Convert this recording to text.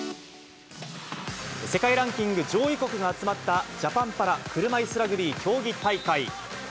世界ランキング上位国が集まったジャパンパラ車いすラグビー競技大会。